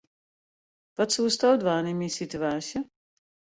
Wat soesto dwaan yn myn situaasje?